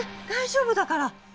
大丈夫だから。